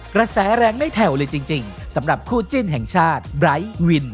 กระแสแรงไม่แผ่วเลยจริงสำหรับคู่จิ้นแห่งชาติไบร์ทวิน